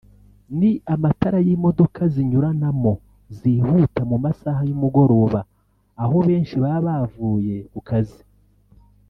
ni amatara y'imodoka zinyuranamo zihuta mu masaha y'umugoroba aho benshi baba bavuye ku kazi